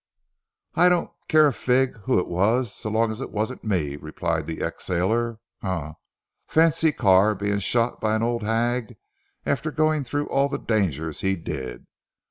"I don't care a fig who it was so long as it wasn't me," replied the ex sailor. "Huh! fancy Carr being shot by an old hag after going through all the dangers he did.